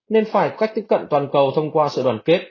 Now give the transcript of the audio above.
nên phải có cách tiếp cận toàn cầu thông qua sự đoàn kết